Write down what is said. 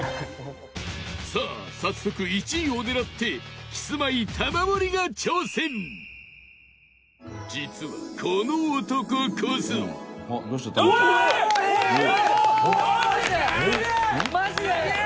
さあ、早速、１位を狙ってキスマイ玉森が挑戦タカ：ええっ！